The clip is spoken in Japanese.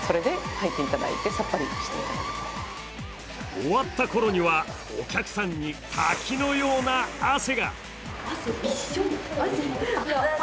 終わったころにはお客さんに滝のような汗が！